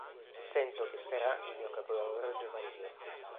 Sento che sarà il mio capolavoro giovanile.